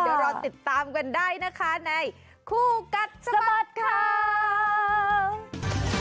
เดี๋ยวรอติดตามกันได้นะคะในคู่กัดสะบัดข่าว